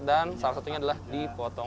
dan salah satunya adalah dipotong